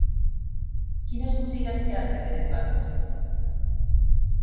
Quines botigues hi ha al carrer de Pardo?